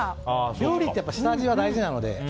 料理ってやっぱり下味が大事なので。